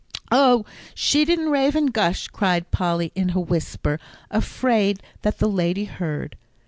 "Oh, she didn't rave and gush," cried Polly, in a whisper, afraid that the lady heard.